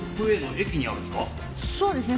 そうですね。